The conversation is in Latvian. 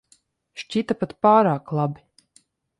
Šķita pat pārāk labi.